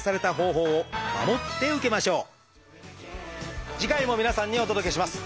それは次回も皆さんにお届けします。